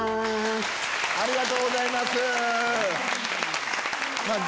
ありがとうございます。